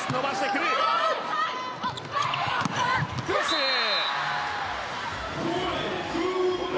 クロスだ。